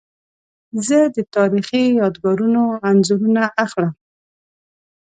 زه د تاریخي یادګارونو انځورونه اخلم.